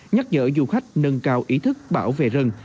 nhắc nhở du khách nâng cao ý thức bảo vệ rừng